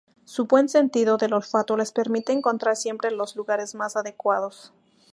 Su buen sentido del olfato les permite encontrar siempre los lugares más adecuados.